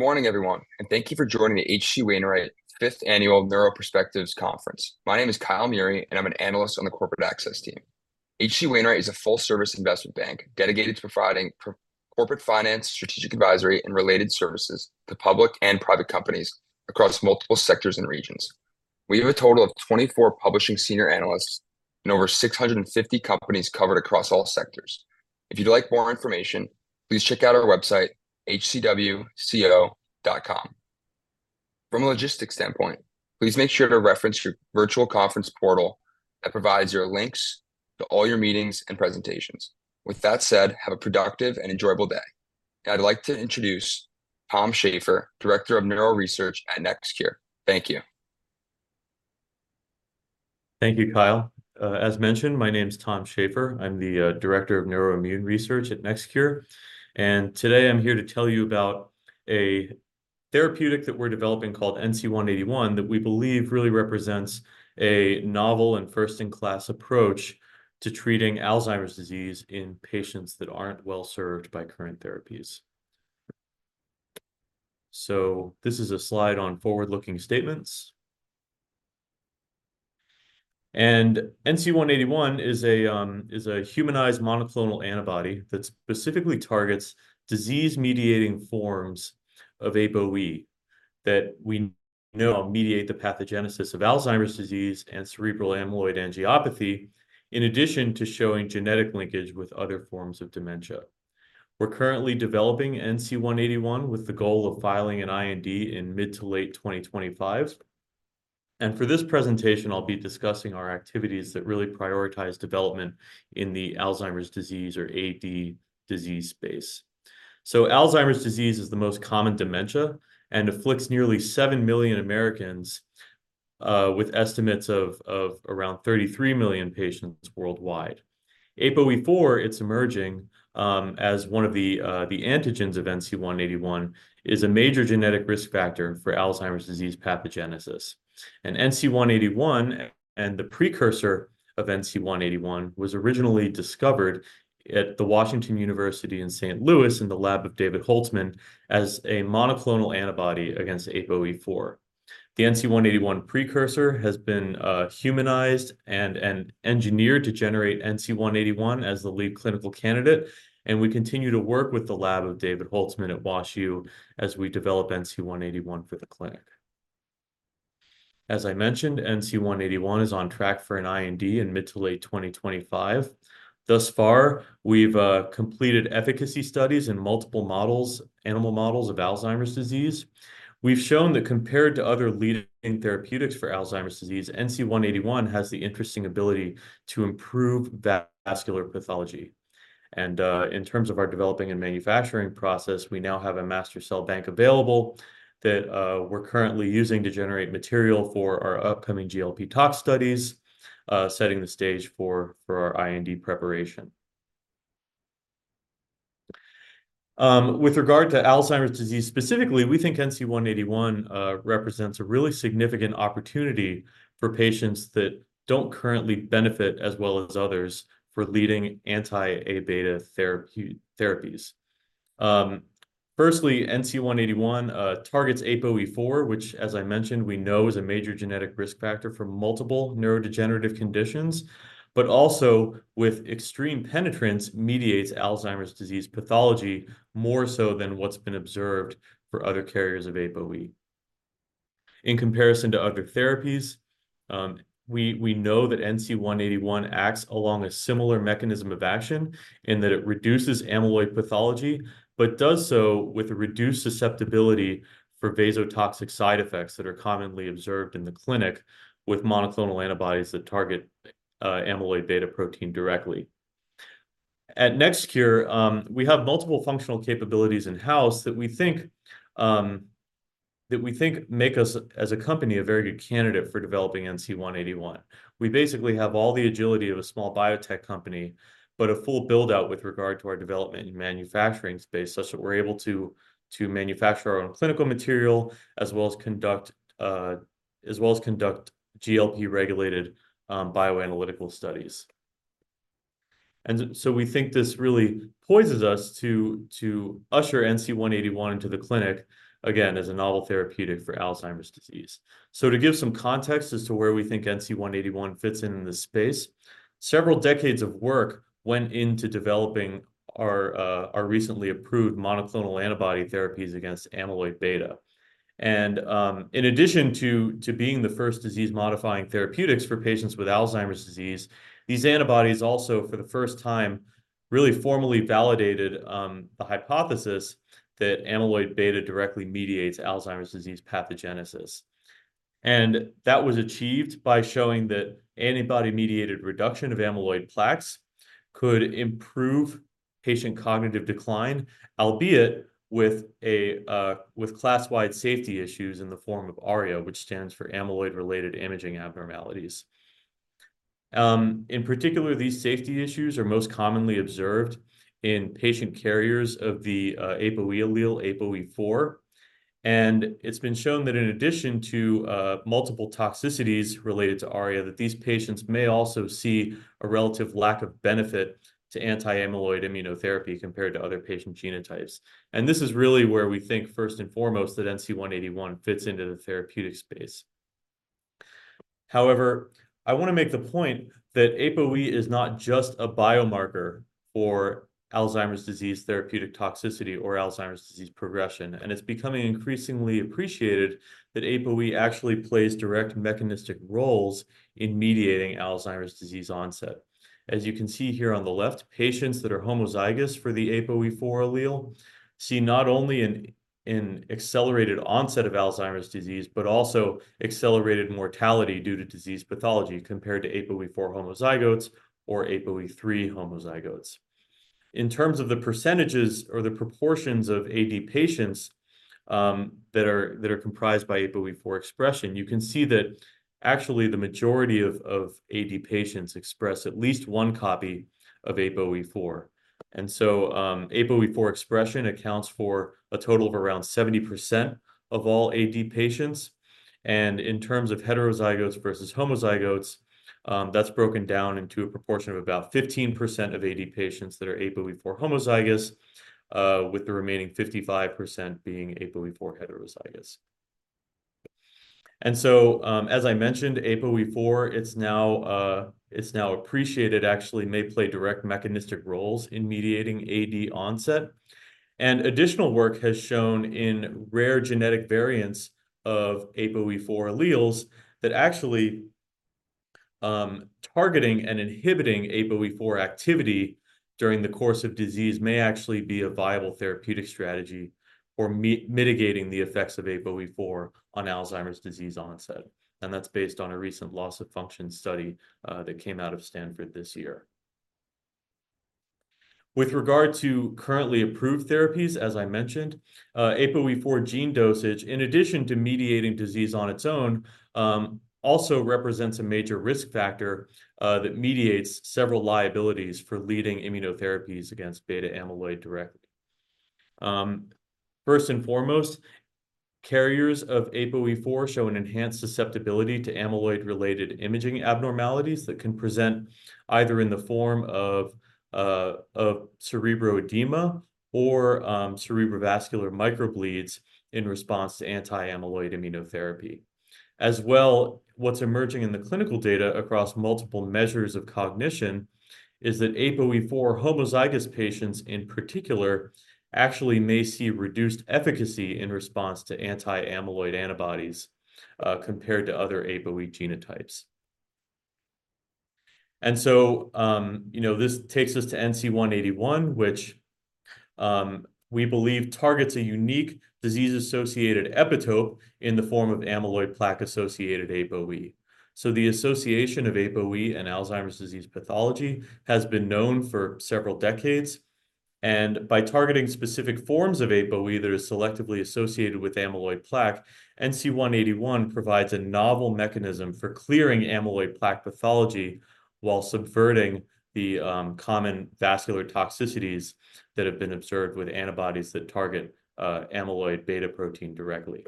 Good morning, everyone, and thank you for joining the H.C. Wainwright's 5th annual NeuroPerspectives Conference. My name is Kyle Kyle Meury, and I'm an analyst on the corporate access team. H.C. Wainwright is a full-service investment bank dedicated to providing corporate finance, strategic advisory, and related services to public and private companies across multiple sectors and regions. We have a total of 24 publishing senior analysts and over 650 companies covered across all sectors. If you'd like more information, please check out our website, hcwco.com. From a logistics standpoint, please make sure to reference your virtual conference portal that provides your links to all your meetings and presentations. With that said, have a productive and enjoyable day. I'd like to introduce Tom Schaefer, Director of Neuro Research at NextCure. Thank you. Thank you, Kyle. As mentioned, my name is Tom Schaefer. I'm the Director of Neuroimmune Research at NextCure. Today I'm here to tell you about a therapeutic that we're developing called NC-181 that we believe really represents a novel and first-in-class approach to treating Alzheimer's disease in patients that aren't well served by current therapies. This is a slide on forward-looking statements. NC-181 is a humanized monoclonal antibody that specifically targets disease-mediating forms of APOE that we know mediate the pathogenesis of Alzheimer's disease and cerebral amyloid angiopathy, in addition to showing genetic linkage with other forms of dementia. We're currently developing NC-181 with the goal of filing an IND in mid to late 2025. For this presentation, I'll be discussing our activities that really prioritize development in the Alzheimer's disease or AD disease space. So Alzheimer's disease is the most common dementia and afflicts nearly 7 million Americans, with estimates of around 33 million patients worldwide. APOE4, it's emerging as one of the antigens of NC-181, is a major genetic risk factor for Alzheimer's disease pathogenesis. NC-181 and the precursor of NC-181 was originally discovered at the Washington University in St. Louis in the lab of David Holtzman as a monoclonal antibody against APOE4. The NC-181 precursor has been humanized and engineered to generate NC-181 as the lead clinical candidate. We continue to work with the lab of David Holtzman at WashU as we develop NC-181 for the clinic. As I mentioned, NC-181 is on track for an IND in mid to late 2025. Thus far, we've completed efficacy studies in multiple animal models of Alzheimer's disease. We've shown that compared to other leading therapeutics for Alzheimer's disease, NC-181 has the interesting ability to improve vascular pathology. In terms of our developing and manufacturing process, we now have a master cell bank available that we're currently using to generate material for our upcoming GLP-tox studies setting the stage for our IND preparation. With regard to Alzheimer's disease specifically, we think NC-181 represents a really significant opportunity for patients that don't currently benefit as well as others for leading anti-A beta therapies. Firstly, NC-181 targets APOE4, which, as I mentioned, we know is a major genetic risk factor for multiple neurodegenerative conditions, but also with extreme penetrance mediates Alzheimer's disease pathology more so than what's been observed for other carriers of APOE. In comparison to other therapies, we know that NC-181 acts along a similar mechanism of action in that it reduces amyloid pathology, but does so with a reduced susceptibility for vasotoxic side effects that are commonly observed in the clinic with monoclonal antibodies that target amyloid beta protein directly. At NextCure, we have multiple functional capabilities in-house that we think make us, as a company, a very good candidate for developing NC-181. We basically have all the agility of a small biotech company, but a full build-out with regard to our development and manufacturing space such that we're able to manufacture our own clinical material as well as conduct GLP-regulated bioanalytical studies. And so we think this really poises us to usher NC-181 into the clinic, again, as a novel therapeutic for Alzheimer's disease. So to give some context as to where we think NC-181 fits in this space, several decades of work went into developing our recently approved monoclonal antibody therapies against amyloid beta. And in addition to being the first disease-modifying therapeutics for patients with Alzheimer's disease, these antibodies also for the first time really formally validated the hypothesis that amyloid beta directly mediates Alzheimer's disease pathogenesis. And that was achieved by showing that antibody-mediated reduction of amyloid plaques could improve patient cognitive decline, albeit with class-wide safety issues in the form of ARIA, which stands for amyloid-related imaging abnormalities. In particular, these safety issues are most commonly observed in patient carriers of the APOE allele, APOE4. And it's been shown that in addition to multiple toxicities related to ARIA, that these patients may also see a relative lack of benefit to anti-amyloid immunotherapy compared to other patient genotypes. This is really where we think first and foremost that NC-181 fits into the therapeutic space. However, I want to make the point that APOE is not just a biomarker for Alzheimer's disease therapeutic toxicity or Alzheimer's disease progression. It's becoming increasingly appreciated that APOE actually plays direct mechanistic roles in mediating Alzheimer's disease onset. As you can see here on the left, patients that are homozygous for the APOE4 allele see not only an accelerated onset of Alzheimer's disease, but also accelerated mortality due to disease pathology compared to APOE4 homozygotes or APOE3 homozygotes. In terms of the percentages or the proportions of AD patients that are comprised by APOE4 expression, you can see that actually the majority of AD patients express at least one copy of APOE4. And so APOE4 expression accounts for a total of around 70% of all AD patients. And in terms of heterozygotes versus homozygotes, that's broken down into a proportion of about 15% of AD patients that are APOE4 homozygous, with the remaining 55% being APOE4 heterozygous. And so, as I mentioned, APOE4, it's now appreciated actually may play direct mechanistic roles in mediating AD onset. And additional work has shown in rare genetic variants of APOE4 alleles that actually targeting and inhibiting APOE4 activity during the course of disease may actually be a viable therapeutic strategy for mitigating the effects of APOE4 on Alzheimer's disease onset. And that's based on a recent loss-of-function study that came out of Stanford this year. With regard to currently approved therapies, as I mentioned, APOE4 gene dosage, in addition to mediating disease on its own, also represents a major risk factor that mediates several liabilities for leading immunotherapies against amyloid beta directly. First and foremost, carriers of APOE4 show an enhanced susceptibility to amyloid-related imaging abnormalities that can present either in the form of cerebral edema or cerebrovascular microbleeds in response to anti-amyloid immunotherapy. As well, what's emerging in the clinical data across multiple measures of cognition is that APOE4 homozygous patients in particular actually may see reduced efficacy in response to anti-amyloid antibodies compared to other APOE genotypes. And so this takes us to NC-181, which we believe targets a unique disease-associated epitope in the form of amyloid plaque-associated APOE. So the association of APOE and Alzheimer's disease pathology has been known for several decades. And by targeting specific forms of APOE that are selectively associated with amyloid plaque, NC-181 provides a novel mechanism for clearing amyloid plaque pathology while subverting the common vascular toxicities that have been observed with antibodies that target amyloid beta protein directly.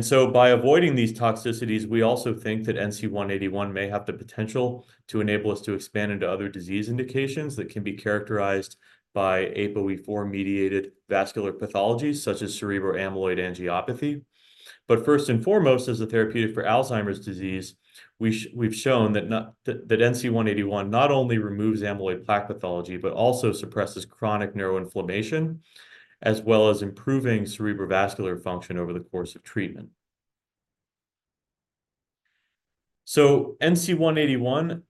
So by avoiding these toxicities, we also think that NC-181 may have the potential to enable us to expand into other disease indications that can be characterized by APOE4-mediated vascular pathologies such as cerebral amyloid angiopathy. But first and foremost, as a therapeutic for Alzheimer's disease, we've shown that NC-181 not only removes amyloid plaque pathology, but also suppresses chronic neuroinflammation as well as improving cerebrovascular function over the course of treatment. So NC-181,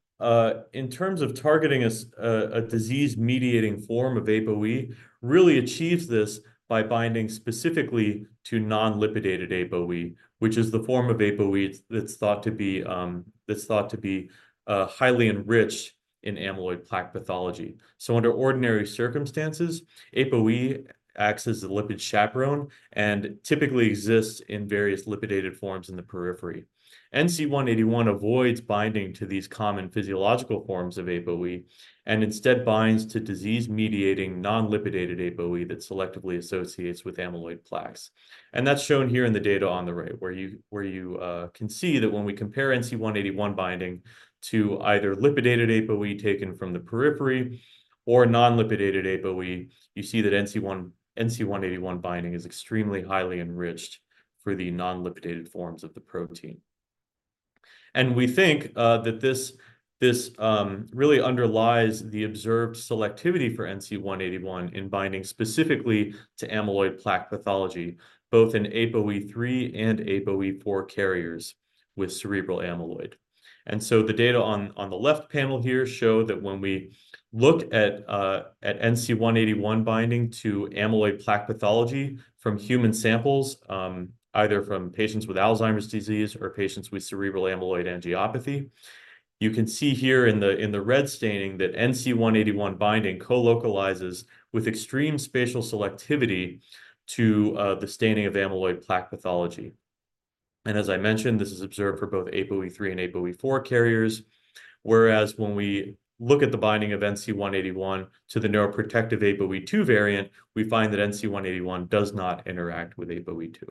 in terms of targeting a disease-mediating form of APOE, really achieves this by binding specifically to non-lipidated APOE, which is the form of APOE that's thought to be highly enriched in amyloid plaque pathology. So under ordinary circumstances, APOE acts as a lipid chaperone and typically exists in various lipidated forms in the periphery. NC-181 avoids binding to these common physiological forms of APOE and instead binds to disease-mediating non-lipidated APOE that selectively associates with amyloid plaques. That's shown here in the data on the right, where you can see that when we compare NC-181 binding to either lipidated APOE taken from the periphery or non-lipidated APOE, you see that NC-181 binding is extremely highly enriched for the non-lipidated forms of the protein. We think that this really underlies the observed selectivity for NC-181 in binding specifically to amyloid plaque pathology, both in APOE3 and APOE4 carriers with cerebral amyloid. The data on the left panel here show that when we look at NC-181 binding to amyloid plaque pathology from human samples, either from patients with Alzheimer's disease or patients with cerebral amyloid angiopathy, you can see here in the red staining that NC-181 binding co-localizes with extreme spatial selectivity to the staining of amyloid plaque pathology. As I mentioned, this is observed for both APOE3 and APOE4 carriers. Whereas when we look at the binding of NC-181 to the neuroprotective APOE2 variant, we find that NC-181 does not interact with APOE2.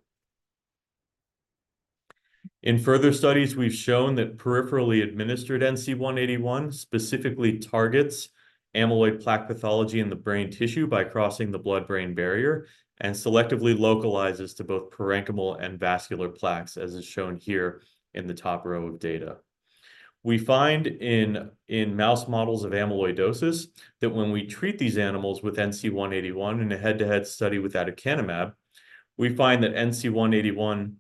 In further studies, we've shown that peripherally administered NC-181 specifically targets amyloid plaque pathology in the brain tissue by crossing the blood-brain barrier and selectively localizes to both parenchymal and vascular plaques, as is shown here in the top row of data. We find in mouse models of amyloidosis that when we treat these animals with NC-181 in a head-to-head study with aducanumab, we find that NC-181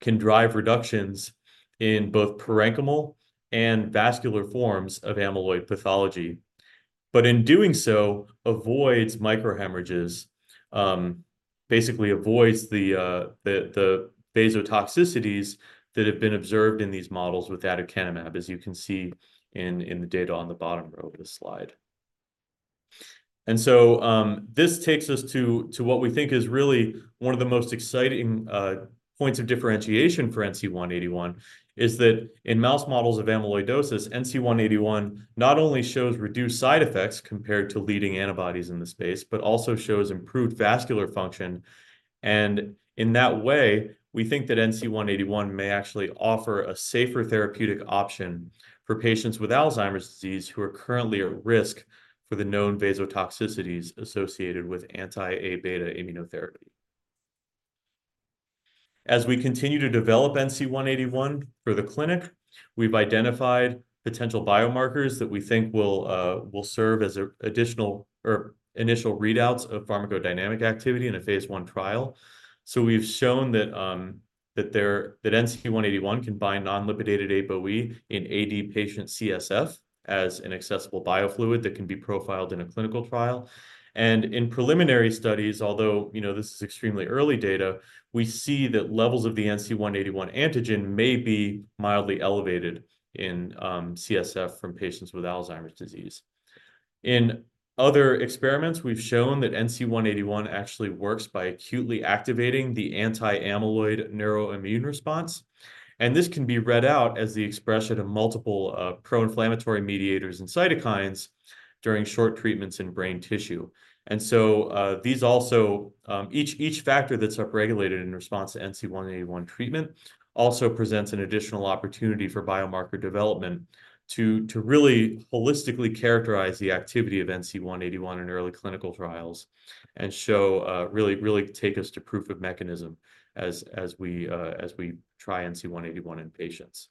can drive reductions in both parenchymal and vascular forms of amyloid pathology. But in doing so, avoids microhemorrhages, basically avoids the vasotoxicities that have been observed in these models with aducanumab, as you can see in the data on the bottom row of this slide. And so this takes us to what we think is really one of the most exciting points of differentiation for NC-181, is that in mouse models of amyloidosis, NC-181 not only shows reduced side effects compared to leading antibodies in the space, but also shows improved vascular function. In that way, we think that NC-181 may actually offer a safer therapeutic option for patients with Alzheimer's disease who are currently at risk for the known vasotoxicities associated with anti-amyloid beta immunotherapy. As we continue to develop NC-181 for the clinic, we've identified potential biomarkers that we think will serve as initial readouts of pharmacodynamic activity in a phase one trial. We've shown that NC-181 can bind non-lipidated APOE in AD patient CSF as an accessible biofluid that can be profiled in a clinical trial. In preliminary studies, although this is extremely early data, we see that levels of the NC-181 antigen may be mildly elevated in CSF from patients with Alzheimer's disease. In other experiments, we've shown that NC-181 actually works by acutely activating the anti-amyloid neuroimmune response. And this can be read out as the expression of multiple pro-inflammatory mediators and cytokines during short treatments in brain tissue. And so these also each factor that's upregulated in response to NC-181 treatment also presents an additional opportunity for biomarker development to really holistically characterize the activity of NC-181 in early clinical trials and really take us to proof of mechanism as we try NC-181 in patients.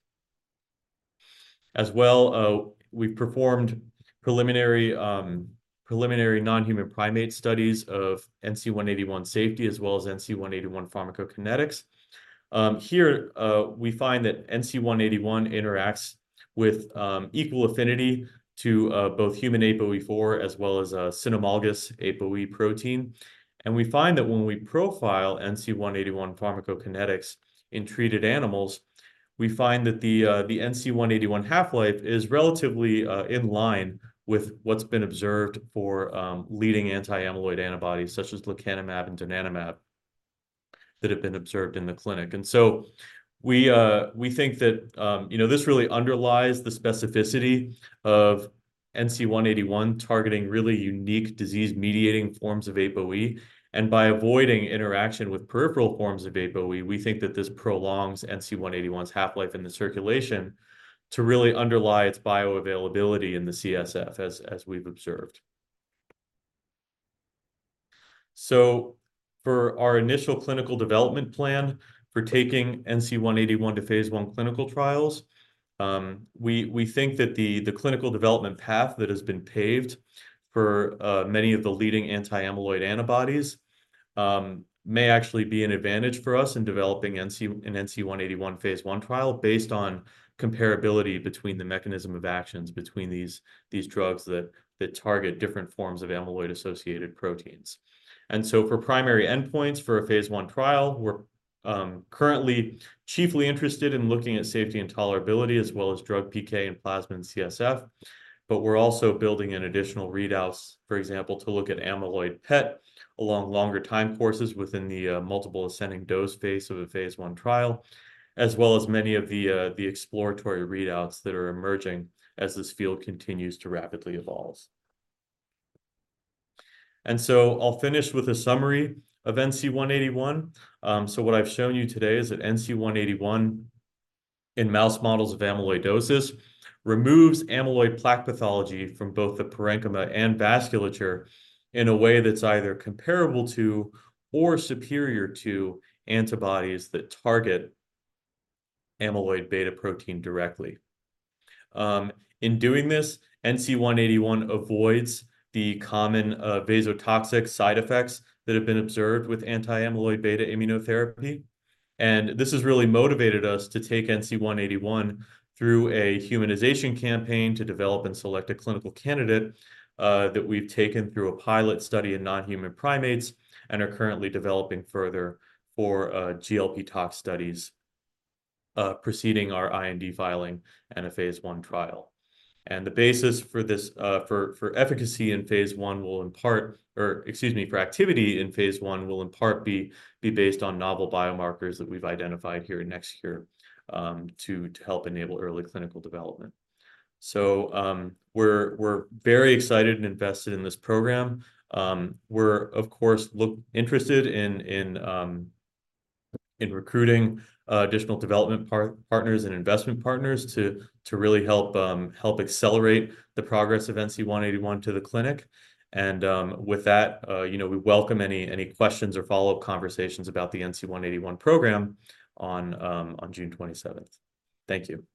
As well, we've performed preliminary non-human primate studies of NC-181 safety as well as NC-181 pharmacokinetics. Here, we find that NC-181 interacts with equal affinity to both human APOE4 as well as a cynomolgus APOE protein. And we find that when we profile NC-181 pharmacokinetics in treated animals, we find that the NC-181 half-life is relatively in line with what's been observed for leading anti-amyloid antibodies such as lecanemab and donanemab that have been observed in the clinic. We think that this really underlies the specificity of NC-181 targeting really unique disease-mediating forms of APOE. By avoiding interaction with peripheral forms of APOE, we think that this prolongs NC-181's half-life in the circulation to really underlie its bioavailability in the CSF, as we've observed. For our initial clinical development plan for taking NC-181 to Phase I clinical trials, we think that the clinical development path that has been paved for many of the leading anti-amyloid antibodies may actually be an advantage for us in developing an NC-181 Phase I trial based on comparability between the mechanism of actions between these drugs that target different forms of amyloid-associated proteins. For primary endpoints for a Phase I trial, we're currently chiefly interested in looking at safety and tolerability as well as drug PK and plasma in CSF. But we're also building in additional readouts, for example, to look at amyloid PET along longer time courses within the multiple ascending dose phase of a Phase I trial, as well as many of the exploratory readouts that are emerging as this field continues to rapidly evolve. So I'll finish with a summary of NC-181. So what I've shown you today is that NC-181 in mouse models of amyloidosis removes amyloid plaque pathology from both the parenchyma and vasculature in a way that's either comparable to or superior to antibodies that target amyloid beta protein directly. In doing this, NC-181 avoids the common vasotoxic side effects that have been observed with anti-amyloid beta immunotherapy. And this has really motivated us to take NC-181 through a humanization campaign to develop and select a clinical candidate that we've taken through a pilot study in non-human primates and are currently developing further for GLP-tox studies preceding our IND filing and a phase one trial. And the basis for this for efficacy in phase one will impart or, excuse me, for activity in phase one will impart be based on novel biomarkers that we've identified here in NextCure to help enable early clinical development. So we're very excited and invested in this program. We're, of course, interested in recruiting additional development partners and investment partners to really help accelerate the progress of NC-181 to the clinic. And with that, we welcome any questions or follow-up conversations about the NC-181 program on June 27th. Thank you.